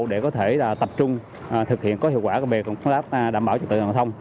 để có thể tập trung thực hiện có hiệu quả về công tác đảm bảo trực tượng đồng thông